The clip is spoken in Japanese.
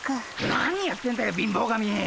何やってんだよ貧乏神！